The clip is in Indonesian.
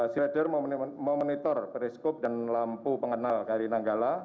silder memonitor periskop dan lampu pengenal kri nanggala